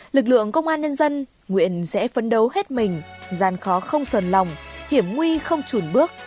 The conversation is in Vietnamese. lực lượng công an nhân dân nguyện sẽ phấn đấu hết mình gian khó không sờn lòng hiểm nguy không trùn bước